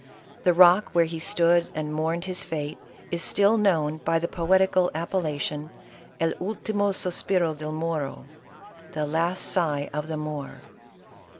The rock where he stood and mourned his fate, is still known by the poetical appellation of El ultimo sospiro delmoro, " The last sigh of the Moor."